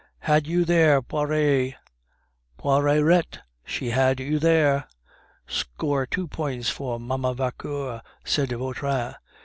"Had you there, Poiret!" "Poir r r rette! she had you there!" "Score two points to Mamma Vauquer," said Vautrin.